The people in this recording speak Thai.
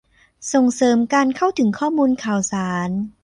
ส่งเสริมการเข้าถึงข้อมูลข่าวสาร